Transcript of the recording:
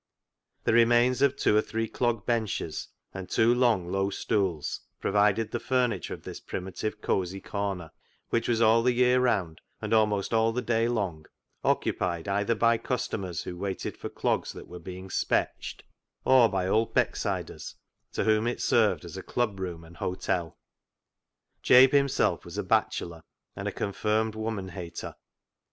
The remains of two or three clog benches and two long, low stools provided the furniture of this primitive, cosy corner, which was all the year round, and almost all the day long, occupied either by customers who waited for clogs that were being " spetched," or by old Becksiders, to whom it served as club room and hotel. Jabe himself was a bachelor and a confirmed woman hater.